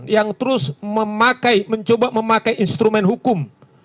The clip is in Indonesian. yang terus memakai mencoba memakai instrumen hukum